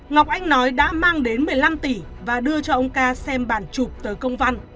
ngọc anh nói đã mang đến một mươi năm tỷ và đưa cho ông ca xem bản chụp tới công văn